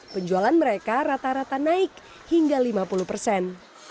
penjualan mereka rata rata naik hingga lima puluh persen